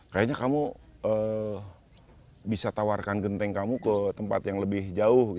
kayaknya kamu bisa tawarkan genteng kamu ke tempat yang lebih jauh